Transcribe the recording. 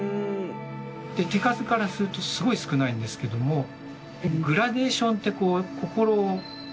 で手数からするとすごい少ないんですけどもグラデーションってこう心を何て言うんですかね